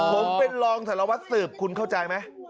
ผมเป็นรองสารวัตรสืบคุณเข้าใจไหม